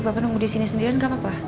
bapak nunggu di sini sendiri dan gapapa